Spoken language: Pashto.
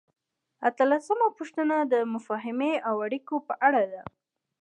اتلسمه پوښتنه د مفاهمې او اړیکو په اړه ده.